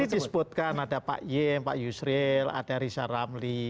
ya kan tadi disebutkan ada pak yim pak yusril ada risa ramli